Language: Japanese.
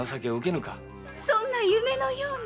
そんな夢のような！